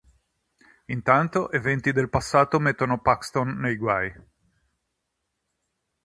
Intanto eventi del passato mettono Paxton nei guai.